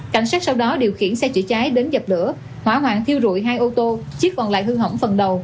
cảnh sát sau đó điều khiển xe chữa cháy đến dập lửa hỏa hoạn thiêu rụi hai ô tô chiếc còn lại hư hỏng phần đầu